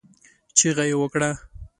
چيغه يې کړه!